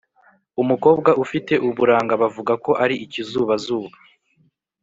umukobwa ufite uburanga bavuga ko ari ikizubazuba